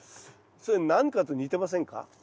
それ何かと似てませんか？